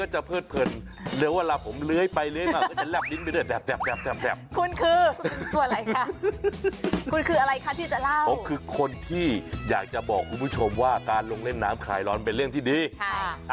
หรือคุณชอบลงเล่นในน้ำค่ะค่ะ